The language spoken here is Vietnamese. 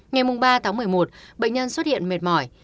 ngày ba tháng một mươi một bệnh nhân xuất hiện mệt mỏi